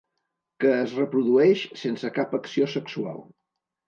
Que es reprodueix sense cap acció sexual.